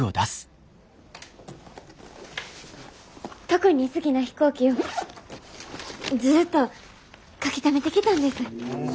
特に好きな飛行機をずっと描きためてきたんです。